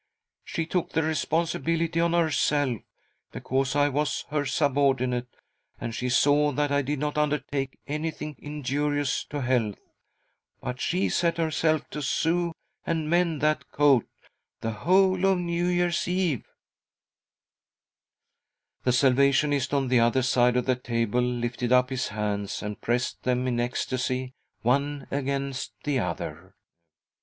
She took the responsibility on herself, because I was her subordinate, and she saw that I did not undertake anything injurious to health ; but she set herself to sew and mend that coat the whole of New Year's Eve," The Salvationist on the other side of the table lifted up his hands and pressed them in ecstasy one against the other.